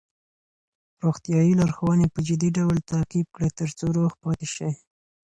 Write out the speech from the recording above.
روغتیايي لارښوونې په جدي ډول تعقیب کړئ ترڅو روغ پاتې شئ.